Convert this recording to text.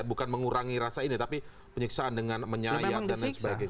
bukan mengurangi rasa ini tapi penyiksaan dengan menyayat dan lain sebagainya